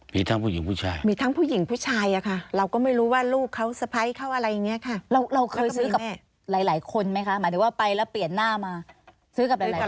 มีทั้งผู้หญิงผู้ชายมีทั้งผู้หญิงผู้ชายอะค่ะเราก็ไม่รู้ว่าลูกเขาสะพ้ายเขาอะไรอย่างนี้ค่ะเราเคยซื้อกับหลายหลายคนไหมคะหมายถึงว่าไปแล้วเปลี่ยนหน้ามาซื้อกับหลายคน